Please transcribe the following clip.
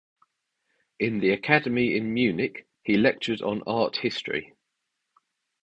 In the academy in Munich, he lectured on art history.